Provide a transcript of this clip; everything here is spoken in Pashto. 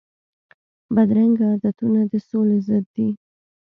بدرنګه عادتونه د سولي ضد دي